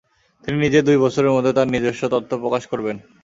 তিনি নিজে দুই বছরের মধ্যে তার নিজস্ব তত্ত্ব প্রকাশ করবেন।